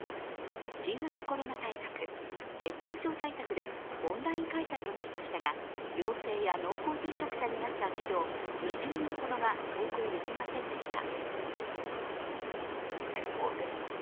新型コロナ対策、熱中症対策でオンライン開催となりましたが陽性や濃厚接触者になった児童２０人ほどが登校できませんでした。